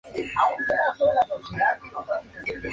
Esta zona es considerada como un lugar de "mitos y leyendas".